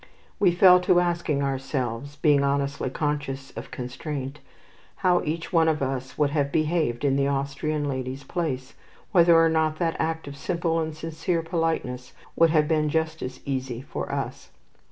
We fell to asking ourselves being honestly conscious of constraint how each one of us would have behaved in the Austrian lady's place, whether or not that act of simple and sincere politeness would have been just as easy for us.